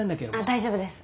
大丈夫です。